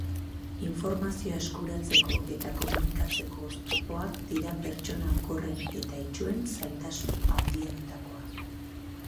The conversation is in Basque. Informazioa eskuratzeko eta komunikatzeko oztopak dira pertsona gorren eta itsuen zailtasun handienetakoa.